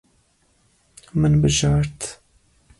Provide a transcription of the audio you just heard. Min bijart.